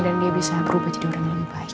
dan dia bisa berubah jadi orang yang lebih baik